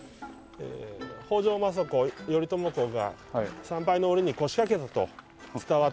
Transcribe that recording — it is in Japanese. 北条政子頼朝公が参拝の折に腰掛けたと伝わっております